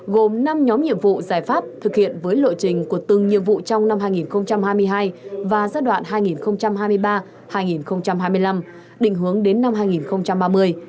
gồm năm nhóm nhiệm vụ giải pháp thực hiện với lộ trình của từng nhiệm vụ trong năm hai nghìn hai mươi hai và giai đoạn hai nghìn hai mươi ba hai nghìn hai mươi năm định hướng đến năm hai nghìn ba mươi